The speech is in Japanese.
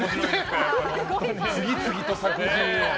次々と作品を。